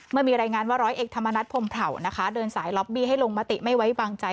เมื่อมีรายงานว่าร้อยเอกธรรมนัฐพรมเผานะคะเดินสายล็อบบี้ให้ลงมติไม่ไว้วางใจ